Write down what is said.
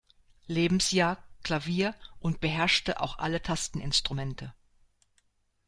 Lebensjahr Klavier und beherrschte auch alle Tasteninstrumente.